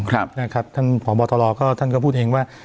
ครับนะครับท่านผอบอตรท่านก็พูดเองว่า